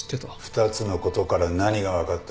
２つのことから何が分かった？